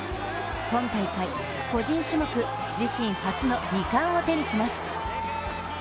今大会、個人種目自身初の２冠を手にします。